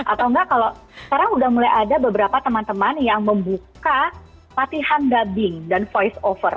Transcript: atau enggak kalau sekarang udah mulai ada beberapa teman teman yang membuka latihan dubbing dan voice over